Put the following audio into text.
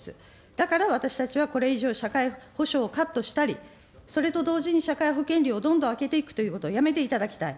だから私たちはこれ以上、社会保障をカットしたり、それと同時に社会保険料をどんどん上げていくということはやめていただきたい。